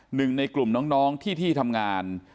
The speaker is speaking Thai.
หนึ่งในกลุ่มน้องที่ทำงาน